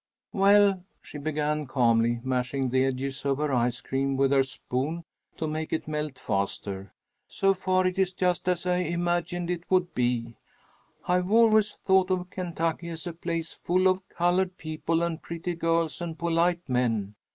"Well," she began, calmly, mashing the edges of her ice cream with her spoon to make it melt faster, "so far it is just as I imagined it would be. I've always thought of Kentucky as a place full of colored people and pretty girls and polite men.